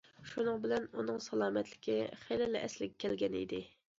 شۇنىڭ بىلەن ئۇنىڭ سالامەتلىكى خېلىلا ئەسلىگە كەلگەنىدى.